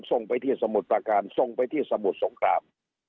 ส่งไปที่สมุทรประการส่งไปที่สมุทรสงคราม